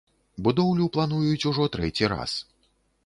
Будоўлю плануюць ужо трэці раз.